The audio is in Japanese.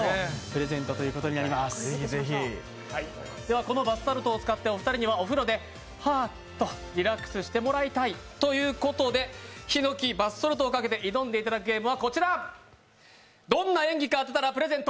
このバスソルトを使って、お二人にはお風呂で「はあっ」とリラックスしてもらいたいということで、ヒノキバスソルトをかけて挑んでいただくゲームはこちら「どんな演技か当てたらプレゼント！